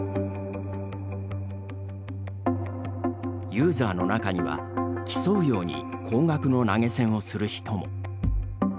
ユーザーの中には、競うように高額の投げ銭をする人も。